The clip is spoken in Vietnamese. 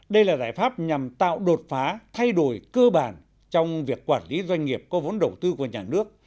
đây là giải pháp nhằm tạo đột phá thay đổi cơ bản trong việc quản lý doanh nghiệp có vốn đầu tư của nhà nước